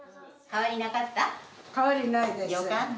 変わりなかった？